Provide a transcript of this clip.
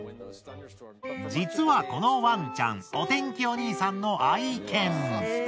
実はこのワンちゃんお天気お兄さんの愛犬。